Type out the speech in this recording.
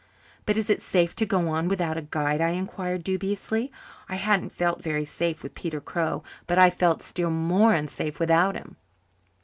"But is it safe to go on without a guide?" I inquired dubiously. I hadn't felt very safe with Peter Crow, but I felt still more unsafe without him.